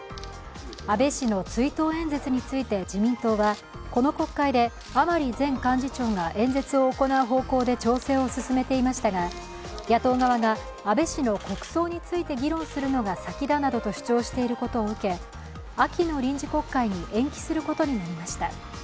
安倍氏の追悼演説について自民党は、この国会で甘利前幹事長が演説を行う方向で調整を進めていましたが、野党側が安倍氏の国葬について議論するのが先だなどと主張していることを受け、秋の臨時国会に延期することになりました。